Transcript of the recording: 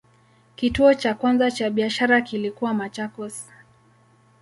Kituo cha kwanza cha biashara kilikuwa Machakos.